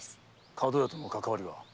角屋とのかかわりは？